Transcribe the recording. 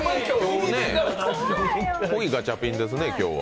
濃いガチャピンですね、今日は。